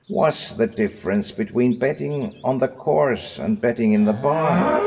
What's the difference between betting on the course and betting in the bar?